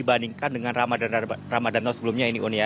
dibandingkan dengan ramadan tahun sebelumnya ini un ya